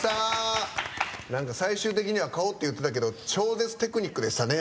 最終的には顔って言ってたけど超絶テクニックでしたね。